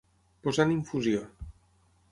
Posar en infusió.